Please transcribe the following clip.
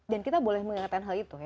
dan kita boleh mengingatkan hal itu ya